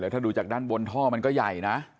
ถ้าดูจากด้านบนท่อมันก็ใหญ่นะ